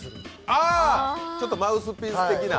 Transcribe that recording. ああ、ちょっとマウスピース的な。